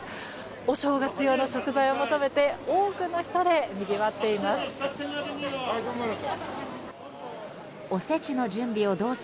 お正月用の食材を求めて多くの人でにぎわっています。